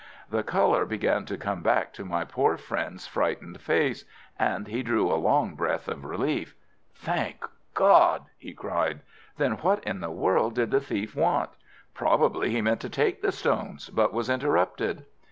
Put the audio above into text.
The colour began to come back to my poor friend's frightened face, and he drew a long breath of relief. "Thank God!" he cried. "Then what in the world did the thief want?" "Probably he meant to take the stones, but was interrupted."